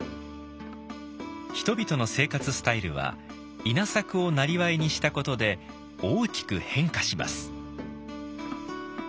人々の生活スタイルは稲作を生業にしたことで大きく変化します。